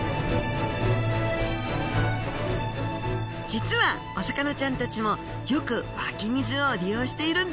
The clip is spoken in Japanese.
実はお魚ちゃんたちもよく湧き水を利用しているんですよ